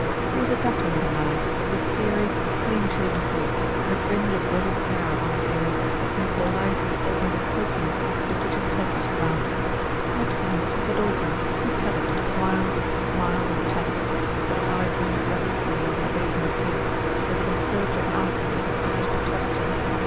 He was a dapper little man, with a fiery, clean shaven face, and a fringe of grizzled hair above his ears that gave the lie to the auburn silkiness with which his head was crowned. Next to him was Mr. Doulton, who chatted and smiled, smiled and chatted; but his eyes moved restlessly over the basin of faces, as if in search of an answer to some unuttered question.